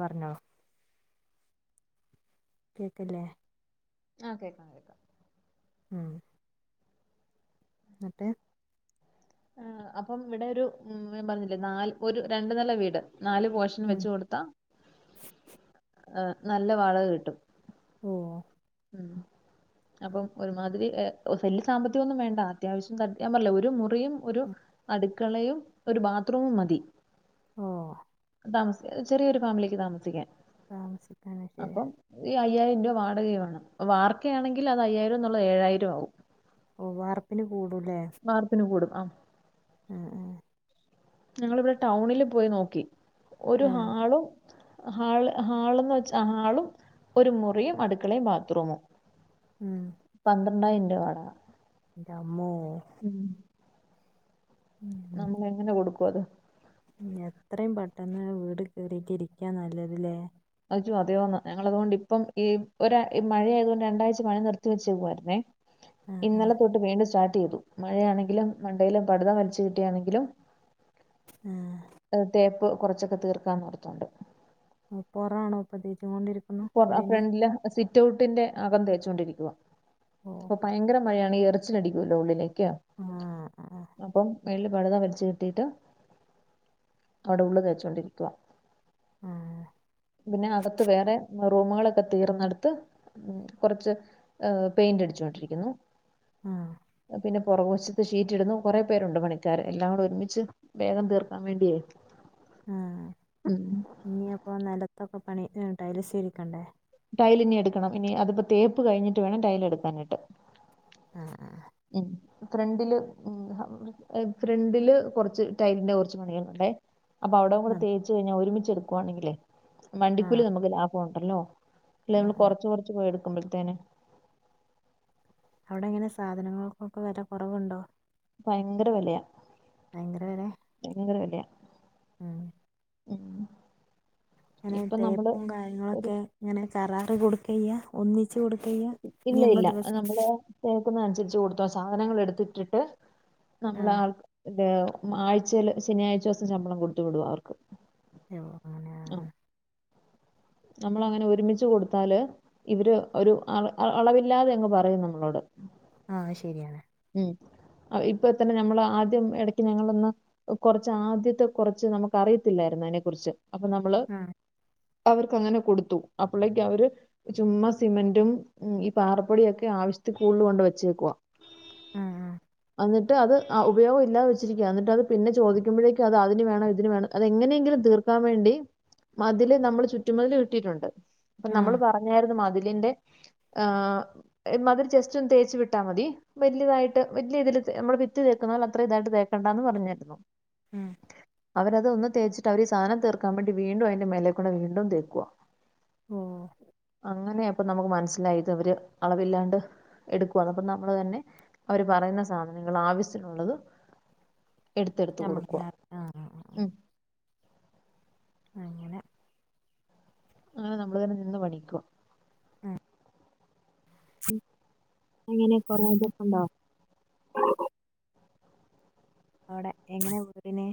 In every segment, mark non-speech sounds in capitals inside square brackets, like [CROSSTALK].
പറഞ്ഞോ കേക്ക്ല്ലേ ആ കേക്കാം കേക്കാം ഉം ഇന്ന്ട്ട് ആ അപ്പം ഇവിടെ ഒരു ൻ പറഞ്ഞില്ലേ നാല് ഒരു രണ്ടു നെല വീട് നാല് പോഷൻ ഉം വെച്ച് കൊടുത്താ നല്ല വാടക കിട്ടും. ഓ ഉം അപ്പം ഒരുമാതിരി സല്ല് സാമ്പത്തികം ഒന്നും വേണ്ട അത്യാവശ്യം ഞാ പർഞ്ഞ്ലേ ഒരു മു റിയും ഒരു അടുക്കളയും ഒരു ബാത്ത്റൂമും മതി. ഓ താമസ ചെറിയൊരു ഫാമിലിക്ക് താമസിക്കാൻ താമസിക്കാണ് ശരി അപ്പം ഈ അയ്യായിരം രൂപ വാടകയും വേണം വാർക്കയാണെങ്കിൽ അത് അയ്യായിരം എന്നുള്ളത് ഏഴായിരം ആവും. ഓ വാർപ്പിന് കൂടുല്ലേ വാർപ്പിന് കൂടും അ ആ ആ ഞങ്ങളിവിടെ ടൗണില് പോയി നോക്കി ഒരു ഉം ഹാളും ഹാള് ഹാളന്ന് വെച്ചാ ഹാളും ഒരു മുറിയും അടുക്കളയും ബാത്റൂമും ഉം ണ്ട ഇന്റെ വട ന്റെമോ ഉം ഉം ഉം നമ്മള് എങ്ങനെ കൊടുക്കും അത് ഉം എത്രയും പെട്ടെന്ന് വീട് കേയറിട്ട് ഇരിക്കാ നല്ലതില്ലേ അതോ അതേന്ന് ഞങ്ങൾ അതുകൊണ്ട് ഇപ്പം ഈ ഒരാ ഇ മഴയതുകൊണ്ട് രണ്ടാഴ്ച പണി നിർത്തിവെച്ചേക്കുവായിരുന്നേ ആ ഇന്നലെ തൊട്ട് വീണ്ടും സ്റ്റാ ട്ട് തു മഴയാണെങ്കിലും മണ്ടയിലും പടിത വലിച്ചു കെട്ടിയാണെങ്കിലും ആ തേപ്പ് കുറച്ചൊക്കെ തീർക്കാന്ന് ഓർത്തൊണ്ട് ആ പൊറാണോ ഇപ്പൊ കൊണ്ടിരിക്കുന്നു പ്പാ വീടിന്റെ ഫ്രണ്ടില് സി റ്റൗട്ടിന്റെ അകം തേച്ചുകൊണ്ടിരിക്കുവാ ഓ അപ്പൊ ഭയങ്കര മഴയാണ് ഈ എറച്ചിലടിക്കുവല്ലോ ഉള്ളിലേ ആ ആ അപ്പം മേളില് പടിത വരച്ച് കെട്ടിട്ട് അവിടെ ഉള്ള് തേചോണ്ടിരിക്കുവാ ആ പിന്നെ അകത്ത് വേറെ റൂമുകളൊക്കെ തീർന്നെടുത്ത് കുറച്ച് പെയിന്റ് അടിച്ചോണ്ടിരിക്കുന്നു ആ പുറകുവശത്ത് ഷീറ്റ് ഇടുന്നു കൊറെേ പേരുണ്ട് പണിക്കാര് എല്ലാം കൂടെ ഒരുമിച്ച് വേഗം തീർക്കാൻ വേണ്ടിയേ ആ ഉം ഇനി അപ്പൊ നിലത്തൊക്കെ പണി ടൈല് സിലിക്കണ്ടേ ടൈലിനി എടുക്കണം ഇനി അതിപ്പോ തേപ്പ് കഴിഞ്ഞിട്ട് വേണം ടൈല് എടുക്കാനിട്ട് ആ ആ ഫ്രണ്ടില് ഫ്രണ്ടില് കുറച്ച് ടൈലിന്റെ കുറച്ച് പണികളുണ്ടേ അപ്പൊ അവിട കൂടെ തേച്ച് കഴിഞ്ഞാ ഒരുമിച്ച് എടുക്കുവാണെങ്കിലേ ആ വണ്ടിക്കൂലി നമുക്ക് ലാഭമുണ്ടല്ലോ ഇല്ല ആ നമ്മൾ ആ കൊറച്ച് കൊറച്ച് പോയി എടുക്കുമ്പോഴ്‌തെന് അവിടെ എങ്ങനെ സാധനങ്ങൾക്കൊക്കെ വെല കുറവുണ്ടോ ഭയങ്കര വിലയാ ഭയങ്കര വില ഭയങ്കര വിലയാ ഉം ഉം അങ്ങനെ ഇപ്പൊ നമ്മള് തേപ്പും ഒരു കാര്യങ്ങളൊക്കെ ഇങ്ങനെ കരാറ് കൊടുക്കയ്യ ചെയ്യാ ഒന്നി ഇല്ല ഇല്ല നമ്മള് ന്നനുസരിച്ച് കൊടുത്ത് സാധനങ്ങൾ എടുത്തിട്ടിട്ട് ആ നമ്മള് ആൾ ആഴ്ചയില് ശനിയാഴ്ച ദിവസം ശമ്പളം കൊടുത്ത് വിടുവാ അവർക്ക് ങ്ങന നമ്മള് അങ്ങനെ ഒരുമിച്ച് കൊടുത്താല് ഇവര് ഒരു അളവില്ലാതെ എങ്ങ് പറയും നമ്മളോട് ആ ശരിയാണ് [INAUDIBLE] ഇപ്പ തന്നെ നമ്മൾ ആദ്യം ഇടക്ക് ഞങ്ങളൊന്ന് കുറച്ച് ആദ്യത്തെ കുറച്ച് നമുക്ക് അറിയത്തില്ലായിരുന്നു അതിനെ കുറിച്ച് അപ്പൊ നമ്മള് ആ അവർക്ക് അങ്ങനെ കൊടുത്തു അപ്പളേക്ക് അവര് ചുമ സിമന്റും ഈ പാറപ്പൊടിയൊക്കെ ആവ കൂടുതൽ കൊണ്ട് വെച്ചേക്കുവാ ആ ആ എന്നിട്ട് അത് ഉപയോഗല്ലാതെ വെച്ചിരിക്കുവ എന്നിട്ട് അത് പിന്നെ ചോദിമ്പോഴേക്കും അതിനു വേണം ഇതിന് വേണം അത് എങ്ങനെങ്കിലും തി തീർക്കാൻ വേണ്ടി മതില് നമ്മള് ചുറ്റുമതില് കെട്ടിയിട്ടുണ്ട് അപ്പൊ ആ നമ്മൾ പറഞ്ഞായിരുന്നു മതിലിന്റെ ആ മതിൽ മതി ജസ്റ്റ് ഒന്ന് തേച്ച് വിട്ടാൽ മതി വലിയതായിട്ട് വലിയ ഇതിൽ നമ്മള് ഭിത്തി തേക്കുന്ന പോലെ അത്ര ഇതായിട്ട് തേക്കണ്ടന്ന് പറഞ്ഞിരുന്നു. ഉം അവരത് ഒന്ന് തേച്ചിട്ട് അവരീസാധനം തീർക്കാൻ വേണ്ടി വീണ്ടും അതിന്റെ മേലെകൂടെ വീണ്ടും തേക്കുവാ ഓ അങ്ങനെ പ്പം നമുക്ക് മനസ്സിലായി ഇദ് ഇവർ അളവില്ലാണ്ട് എടുക്കുവാ അപ്പനമ്മൾ തന്നെ അവര് പറയുന്ന സാധനങ്ങൾ ആവശ്യനുള്ളത് എടുത്തെടുത്ത് നമ്മൾ കൊടുക്കുവ തന്നെ ആ ആ. ഉം അങ്ങനെ അങ്ങനെ നമ്മളങ്ങനെ നിന്ന് പണിയിക്കും. മ് അങ്ങനെ കൊറേതൊക്കണ്ടോ അവിടെ എങ്ങനെ വീടിന്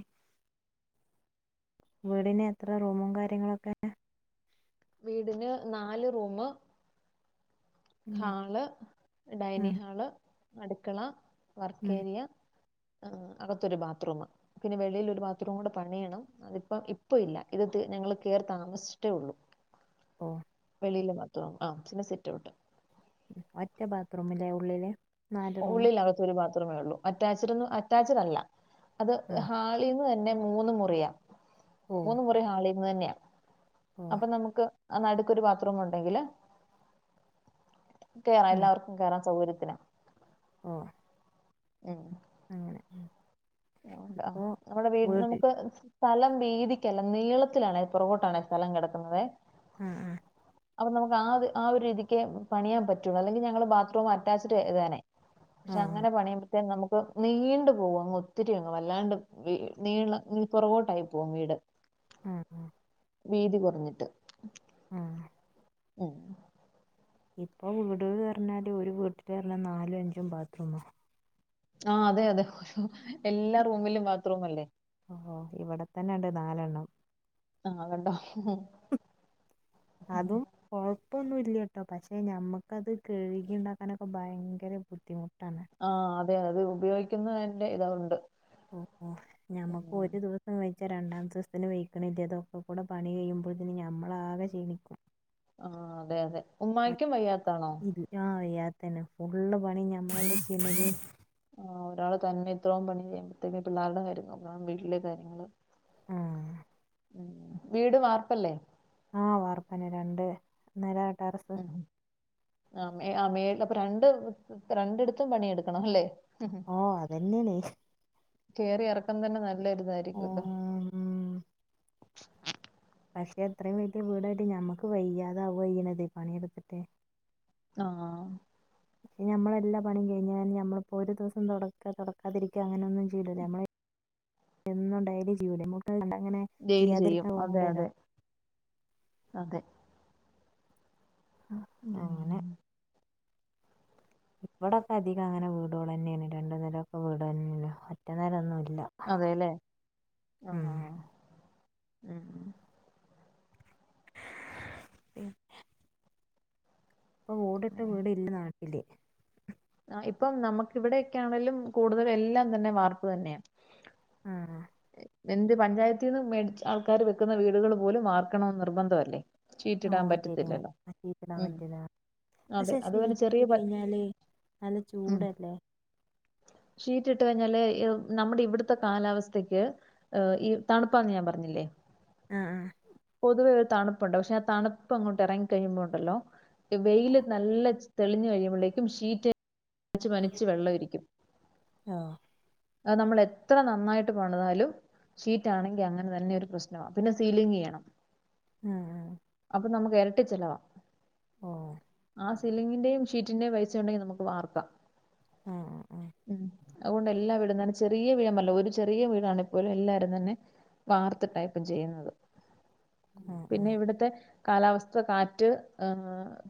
വീടിന് എത്ര റൂമും കാര്യങ്ങളൊക്കെയ വീടിന് നാല് റൂമ് ഉം, ഹാള് ഡൈനി ഉം, ഹാള് അടുക്കള ഉം. വർക്കേരിയ അകത്തൊരു ബാത്റൂം പിന്നെ വെളിയിലൊരു ഒരു ബാത്റൂം കൂടെ പണിയണം അതിപ്പം ഇപ്പ ഇല്ല ഇത് തീ ഞങ്ങൾ കയറി താമസിച്ചിട്ടേ ഉള്ളു ഓ ഉള്ളിൽ ബാത്രൂം ആ പിന്നെ സിറ്റ്ഔട്ട് ഒറ്റ ബാത്റൂമിലെ ഉള്ളില് നാല് റൂം ഉള്ളിൽ അകത്ത ഒരു ബാത്റൂമേ ഉള്ളൂ, അറ്റാച്ചഡ് ഒന്നും അറ്റാച്ചഡ് അല്ല അത് ആ ഹാളിൽ ന്ന് തന്നെ മൂന്ന മുറിയ ഓ മൂന്ന മുറി ഹാളിൽന്ന് തന്നെയാണ് ഓ അപ്പൊ നമുക്ക് അ നടുക്കൊരു ബാത്റൂം ഉണ്ടെങ്കിൽ കേറാം ഉം. എല്ലാവർക്കും കേയറാൻ സൗകര്യത്തി ഓ ഉം അങ്ങനെ നമ്മ അപ്പൊ [UNINTELLIGIBLE] വീട് വീട്ടിൽ നമുക്ക് സ്ഥലം വീതിക്കല്ല നീളത്തിലാണ് പുറകോട്ടാണ് സ്ഥലം കിടക്കുന്നതെ മ് മ് അപ്പൊ നമുക്ക് ആ ആ ഒരു രീതിക്ക് പണിയാൻ പറ്റുള്ളൂ അല്ലെങ്കിൽ ഞങ്ങള് ബാത്റൂം അറ്റാച്ച്ഡ് എട്താനെ ആഹ് പക്ഷെ ആഹ് അങ്ങനെ പണിയു മ്പോ ശേ നമുക്ക് നീണ്ടു പോകും അങ്ങ് ഒത്തിരി അങ്ങ് വല്ലാണ്ട് നീ ന പുറകോട്ടായി പോകും വീട് മ് വീതി കുറഞ്ഞിട്ട് മ് ഉം ഇപ്പൊ വീടുകള് പറഞ്ഞാല് ഒരു വീട്ടില് പറഞ്ഞ നാലും അഞ്ചും ബാത്റൂമ. ആ അതെ അതെ എല്ലാ റൂമിലും ബാത്റൂം അല്ലേ ഓ ഇവിടെ തന്നെ ഉണ്ട് നാലെണ്ണം ആ കണ്ടോ ഇപ്പൊന്നുല്ല കേട്ടോ, പക്ഷെ നമുക്കത് കഴുകി ഉണ്ടാക്കാനൊക്കെ ഭയങ്കര ബുദ്ധിമുട്ടാണ്. ആ അതെ അത് ഉപയോഗിക്കുന്ന ഇതാവ്ണ്ട് ഓ ഓ ഞമ്മക്ക് ഒരു ദിവസം വെ ജ രണ്ടാമത്തെ ദിവസത്തിന് വഴിക്കണില്ല ഇതൊക്കെ കൂടെ പണി കഴിയുമ്പോത്തിന് ഞമ്മളാകെ ക്ഷീണിക്കും. ആ അതെ അതെ ഉമ്മാക്കും വയ്യാത്താണോ ന്നെ ഫുള്ള് പണി ഞമ്മളല്ലേ ചെയുന്നത് ആഹ് ഒരാള് തന്നെ ഇത്രയും പണി ചെയ്യുമ്പഴത്തക്കും പിള്ളേരുടെ കാര്യങ്ങൾ നോക്കണം വീട്ടിലെ കാര്യങ്ങങ്ങള് ആ വീട് വാർപ്പല്ലേ ആഹ് വാർപ്പന്നെ രണ്ട് നില ട്ടറസ് ആ ആ മേ അപ്പൊ രണ്ട് രണ്ടിടത്തും പണിയെടുക്കണം അല്ലേ ഓ അതന്നെയണ കയറി ഇറക്കൻ തന്നെ നല്ലരുതായിരിക്കും ഇട്ടോ ഉം പക്ഷെ എത്രയും വലിയ വീടായിട്ട് ഞമ്മക്ക് വയ്യാതാവ വ്യണത് പണിയെടുത്തിട്ട് ആഹ പക്ഷെ നമ്മളെല്ലാ പണിയും കഴിഞ്ഞ കെ നമ്മളിപ്പോ ഒരു ദിവസം തുടക്ക തുടക്കാതിരിക്കുക അങ്ങനെ ഒന്നും ചെയ്ല്ലല്ല നമ്മ എന്നുണ്ടായില് ജീവില മു ജയില് ചെയ്യും അതെ അതെ അതെ ഉം അങ്ങനെ ഇവിടൊക്കെ അധികം അങ്ങനെ വീടുക തന്നെയാണ് രണ്ടു നേരംക്കെ വീട് തന്നെയല്ല ഒറ്റേരം ഒന്നുംല്ല അതെല്ലേ ആഹ്ഹ ഉ പി അപ്പൊ ഓടിട്ട വീട ഇല്ല നാട്ടില് ആഹ് ഇപ്പം നമുക്ക് ഇവിടെക്കൊണെേലും കൂടുതൽ എല്ലാം തന്നെ വാർപ്പ് തന്നെയാണ് ആഹ എന്ത് പഞ്ചായത്തിൽ നിന്ന് മേടിച്ച ആൾക്കാര് വെക്കുന്ന വീടുകൾ പോലും വാർക്കണ നിർബന്ധമല്ലേ ഓ ചീറ്റിടാൻ ശരിയാണ് പറ്റത്തില്ലല്ലോ ആ ഷീറ്റിടാൻ ഉം പറ്റൂല അതെ പക്ഷെ അത് പിന്നെ സീട്ടിട്ട് ചെറിയ പ കഴിഞ്ഞാല് നല്ല ഉം ചൂടല്ലേ ഷീറ്റ് ഇട്ട് കഞ്ഞാലേ നമ്മുടെ ഇവിടുത്തെ കാലാവസ്ഥയ്ക്ക് ഈ തണുപ്പാന്ന് ഞാൻ പറഞ്ഞില്ലേ ആഹ ആഹ പൊതുവെ ഒരു തണുപ്പുണ്ടാവ പക്ഷെ ആ തണുപ്പ് അങ്ങോട്ട് ഇറങ്ങി കഴിയുമ്പോ ഉണ്ടല്ലോ വെയില് നല്ല തെളിഞ്ഞഞ് കഴിയുമ്പോഴേക്കും ഷീറ്റ് മനിച്ച് വെള്ളം ഇരിക്കും ആഹ് അത് നമ്മൾ എത്ര നന്നായി പണിതാലും ഷീറ്റാണെങ്കിൽ അങ്ങനെ തന്നെ ഒരു പ്രശ്ന പിന്നെ സീലിംഗ് ചെയ്യണം ആഹ് ആഹ് നമ്മക്ക് ഇരട്ടി ചിലവാ ആ സിലിങ്ങിന്റെ ഷീറ്റിന്റെ പൈസ ഉണ്ടെങ്കിൽ നമുക്ക് വർക്കാം ആഹ് ആഹ് ഉ അതുകൊണ്ട് എല്ലാം ഇട ചെറിയ വീടമല്ല ഒരു ചെറിയ വീടണിപ്പോലും എല്ലാരും തന്നെ വാർത്ത ടൈപ്പും ചെയ്യുന്നത് ആഹ് പിന്നെ ഇവിടുത്തെ കാലാവസ്ഥ കാറ്റ്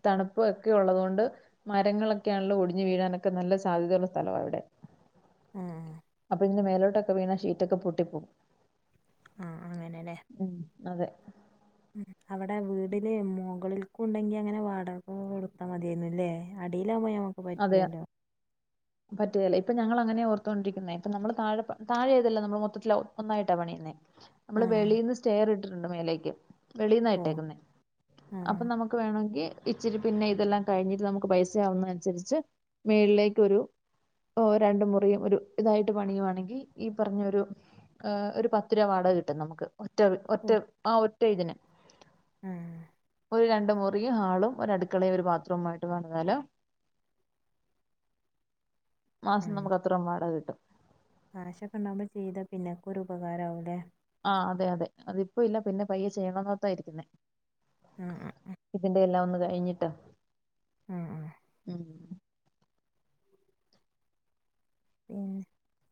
തണുപ്പ് ഒക്കെ ഉള്ളതു കൊണ്ട് മരങ്ങളൊക്കെയാണല്ലോ ഒടിഞ്ഞു വീ വീഴാനൊക്കെ നല്ല സാധ്യതയ ഉള്ള സ്ഥലമാണ് അവിടെ ആഹ പിന്നെ മേലോട്ടൊക്കെ വീണാ ഷീറ്റൊക്കെ പൊട്ടിപ്പോവും ആഹ അങ്ങനെല്ലേ അതെ ഉ അവിടെ വീടില് മുകളിൽക്ക ഉണ്ടെങ്കി അങ്ങനെ വാടക കൊടുത്താ മതിയിന്നല്ലേ അടി എല്ലാ പോ നമുക്ക് പറ്റില്ലല്ലോ പറ്റുകതല്ല ഇപ്പൊ ഞങ്ങൾങ്ങനെ ഓർത്തോണ്ടിരിക്കുന്നേ ഇപ്പ നമ്മള് താഴെ താഴെയഏതല്ല നമ്മൾ മൊത്തത്തിൽ ഒന്നായിട്ടാ പണിയുന്നേ നമ്മള് ആഹ് വെളിന്ന് സ്റ്റെയർ ഇട്ടിട്ടുണ്ട് മേലേക്ക് ഓഹ് വെളിന്നായിട്ടേക്കുന്നേ അപ്പൊ ആഹ് നമുക്ക് വേണമെങ്കിൽ ഇച്ചിരി പിന്നെ ഇതെല്ലാം കഴിഞ്ഞിട്ട് നമുക്ക് പൈസയാവുന്നതനുസരിച്ച് മേളിലേക്ക് ഒരു ഓ രണ്ട മുറിയും ഒരു ഇതായിട്ട് പണിയുവാണെങ്കിൽ ഈ പറഞ്ഞൊരു ഒരു പത്തിരുവ വാട ക കിട്ടും നമുക്ക് ഒറ്റ ഒറ്റ ഓഹ് ആ ഒറ്റ ഇതിന് ആഹ് ഒരു രണ്ട് മുറിയും ഹാളും ഒരു അടുക്കളയും ഒരു ബാത്റൂമും ആയിട്ട് പണിതാല് മാസം നമുക്ക് അത്രയും വാടക കിട്ടും കാശൊക്കെണ്ടാവുമ്പോ ചെയ്ത പിന്നെക്കെ ഒരു ഉപകാരമാവല്ലേ ആഹ് അതെ അതെ അതിപ്പ ഇല്ല പിന്നെ പയ്യെ ചെയ്യണന്നോത്തായിരിക്കുന്നേ ആഹ് ആഹ് ഇതിന്റെ എല്ലാം ഒന്ന് കഴിഞ്ഞിട്ടാ ആഹ് ആഹ് ഉം പിന്നെ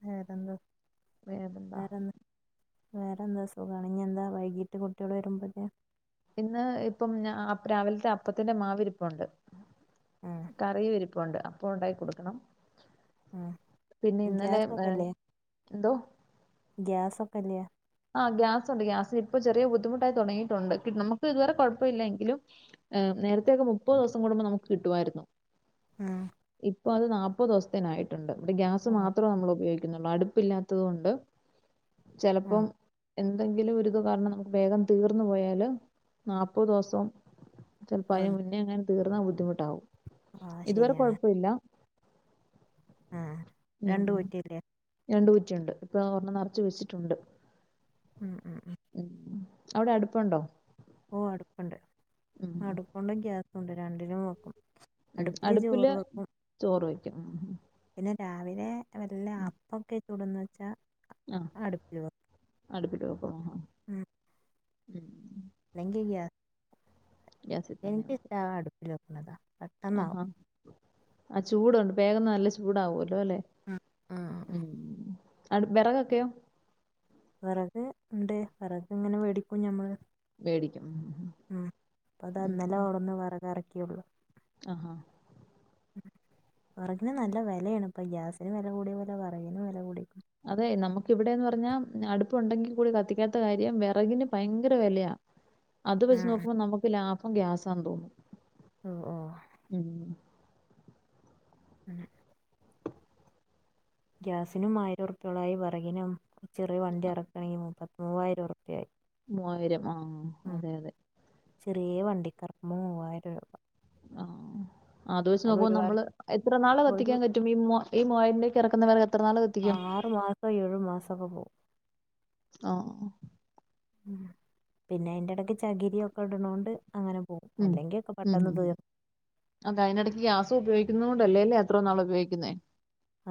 വേറെന്തോ വേറെന്താ വേറെന്താ സുഖാണ് ഇനിന്താ വൈകീട്ട് കുട്ടികള്വരുമ്പോക്ക്‌ ഇന്ന് ഇപ്പംഞ രാവിലത്തെ അപ്പത്തിന്റെ മാവിരിപ്പുണ്ട് ആഹ് കറിരിപ്പുണ്ട് അപ്പ ഉണ്ടായി കൊടുക്കണം ആ പിന്നെ ഇന്നലെ ഏഹ് ഗ്യാസൊക്കെല്ലേ എന്തോ? ഗ്യാസൊക്കെല്ലേ? ആഹ് ഗ്യാസ്ണ്ട് ഗ്യാസി ഇപ്പൊ ചെറിയ ബുദ്ധിമുട്ടായി തുടങ്ങിയിട്ടുണ്ട് നമുക്ക് ഇതുവരെ കുഴപ്പമില്ലെങ്കിലും ഏ് നേരത്തേക്കെ മുപ്പത് ദിവസം കൂടുമ്പോം നമുക്ക് കിട്ടായിരുന്നു ആഹ അപ്പത് നാപ്പത് ദിവസായിട്ട്ണ്ട് ഇത് ഗ്യാസ് ഓഹ് മാത്രമ്മൾ ഉപയോഗിക്ന്നെ അടുപ്പില്ലാത്തത് കൊണ്ട് ചിലപ്പം എന്തെങ്കിലും ഒരുരിത് കാരണം നമുക്ക് വേഗം തീർന്നു പോയാല് നാപ്പത് ദിവസം ചെൽപ്പോം അതിന് ആഹ് മുന്നേ അങ്ങനെ തീർന്നാ ബുദ്ധിമുട്ടാവും ആഹ് ഇതുവരെ കുഴപ്പല്ല ആഹ രണ്ട് കുറ്റില്ലേ? ണ്ട് ഇപ്പൊ ഒർണ് നർച്ചു വെച്ചിട്ട്ണ്ട് ഉം ഉം ഉം അവിടെട്പ്പ്ണ്ടോ ഓ അടുപ്പുണ്ട് അടുപ്പ്ണ്ട് ഗ്യാസുണ്ട് രണ്ടിലും വെക്കും ഉം അടുപ്പില് ചോറ് വെക്കും ചോറ് വയ്ക്കും പിന്നെ രാവിലെ വല്ല അപ്പൊക്കെ ചൂടന്ന് വെച്ചാ ആഹ അടുപ്പില് വെക്കും അടുപ്പിടോ ഉം എനിക്കിഷ്ട്ടാടുപ്പിലെക്ക്‌ണതാ ആഹാ ആ ചൂടുണ്ട് വേഗം നല്ല ചൂടാവല്ലോ ല്ലെ ഉം ഉം ഉം ഉ ഉം. അടു വിറകൊക്കെയോ വിറക് ണ്ട് വിറകിങ്ങനെ മേടിക്കും ഞമ്മള് മേടിക്കും ഉ അപ്പ അതന്നലെ ഓർന്ന് വെറകെർക്കിയുള്ളൂ ആഹാ ഉ ഉറകിന് നല്ല വിലയാണ് ഇപ്പൊ ഗ്യാസിന് വില കൂടിയ പോലെ വിറകിനും വില കൂട അതെ നമുക്കിവിടെന്ന് പറഞ്ഞാ അടുപ്പ്ണ്ടെങ്കിൽ കൂടി കത്തിക്കാത്ത കാര്യം വിറകിന് ഭയങ്കര വിലയാ അത് വെച്ച് ഉം നോക്കുമ്പോ നമുക്ക് ലാഭം ഗ്യാസാന്ന്തോന്നും ഉം ഓ ഉ ഉം ഗ്യാസിനും ആയിരൊർപ്യൊളായി വിറകിനും ചെറിയ വണ്ടി ഇറക്കണെങ്കിൽ മുപ്പത്തി മൂവായിര ർപ്യായി മൂവായിരം ആഹ അതെ അതെ ചെറിയ വണ്ടിക്കിറക്കുമ്പോൾ മൂവായിരം രൂപ ആ അത് വെച്ച് അതൊരു വർഷം നോക്കുമ്പനമ്മള് എത്ര നാള് ഒരു കത്തിക്കാൻ പറ്റും ഈമു ഈമുവായിരലേക് ഇറക്കാ ആറു മാസം ഏഴു മാസമൊക്കെ പോവും ആഹ ഉ പിന്നെ അയിന്റെടക്ക് ചകിരിയൊക്കെ ഇടണോണ്ട് അങ്ങനെ പോകും ഉം അല്ലെങ്കിൽ ഒക്കെ ഉം പെട്ടെന്ന് ഉ തീർന്നു അതയ്നിടയ്ക്ക് ഗ്യാസുപയോഗിക്കുന്നോണ്ട് അല്ലേലും എത്രനാൾ ഉപയോഗിക്കുന്നേ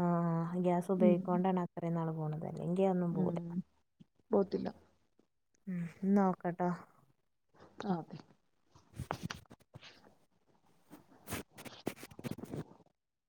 ആഹ് ആ ഗ്യാസ് ഉം ഉപയോഗിക്കോണ്ടാണ് അത്രയ്നാള് പോണത് അല്ലെങ്കിൽ അതൊന്നും പോവൂല ഉം പോത്തില്ല ഉം നോക്കട്ടോ ആതെ